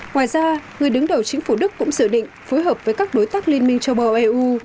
ngoài ra người đứng đầu chính phủ đức cũng dự định phối hợp với các đối tác liên minh châu âu eu